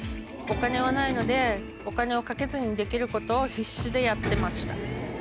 お金はないのでお金をかけずにできることを必死でやってました。